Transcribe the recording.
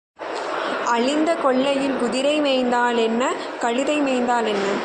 அழிந்த கொல்லையில் குதிரை மேய்ந்தாலென்ன, கழுதை மேய்ந்தாலென்ன?